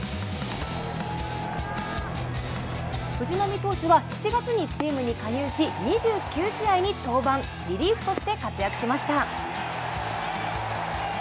藤浪投手は７月にチームに加入し２９試合に登板、リリーフとして活躍しました。